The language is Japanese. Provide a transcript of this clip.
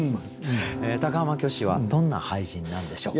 高浜虚子はどんな俳人なんでしょう？